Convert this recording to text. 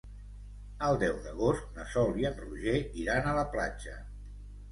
El deu d'agost na Sol i en Roger iran a la platja.